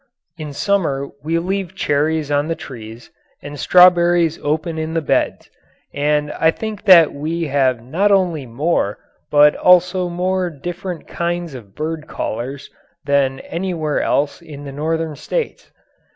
In summer we leave cherries on the trees and strawberries open in the beds, and I think that we have not only more but also more different kinds of bird callers than anywhere else in the northern states.